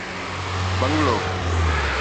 bungalow